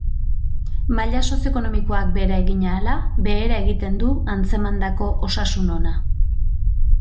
Maila sozioekonomikoak behera egin ahala, behera egiten du antzemandako osasun ona.